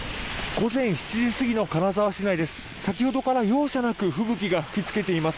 午前７時過ぎの金沢市内です。